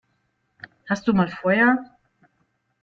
Hast du mal Feuer?